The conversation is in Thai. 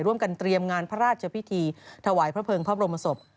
ร่วมกันเตรียมงานพระราชพิธีถวายพระเภิงพระบรมศพ